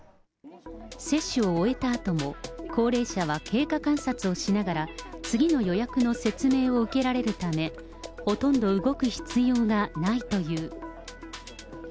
接種を終えたあとも、高齢者は経過観察をしながら、次の予約の説明を受けられるため、ほとんど動く必要がないという。